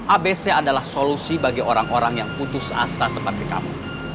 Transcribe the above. abc adalah solusi bagi orang orang yang putus asa seperti kamu